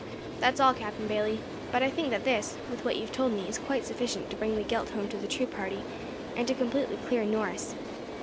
"That is all, Captain Bayley; but I think that this, with what you have told me, is quite sufficient to bring the guilt home to the true party, and to completely clear Norris."